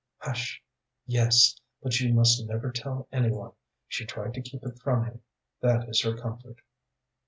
"Hush! yes; but you must never tell any one. She tried to keep it from him. That is her comfort."